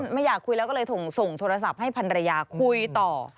ไม่อยากคุยแล้วก็เลยส่งโทรศัพท์ให้พันรยาคุยต่อ